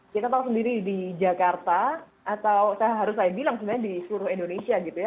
kita tahu sendiri di jakarta atau saya harus saya bilang sebenarnya di seluruh indonesia gitu ya